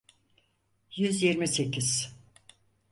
Yüz yirmi sekiz.